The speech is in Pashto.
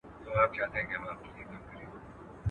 ستا د هجران په تبه پروت یم مړ به سمه!